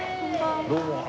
どうも。